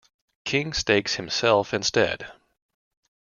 King stakes himself instead.